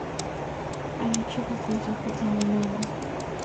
Alichoka kumtafuta mwanawe